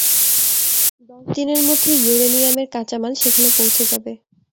দশ দিনের মধ্যে ইউরেনিয়ামের কাঁচা মাল সেখানে পৌঁছে যাবে।